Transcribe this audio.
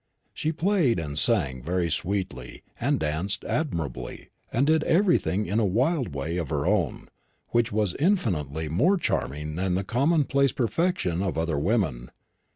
She played and sang very sweetly, and danced admirably, and did everything in a wild way of her own, which was infinitely more charming than the commonplace perfection of other women.